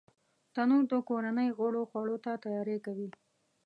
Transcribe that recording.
تنور د کورنۍ غړو خوړو ته تیاری کوي